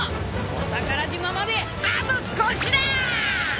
お宝島まであと少しだ！